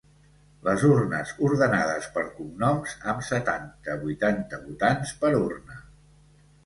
Les urnes ordenades per cognoms amb setanta-vuitanta votants per urna.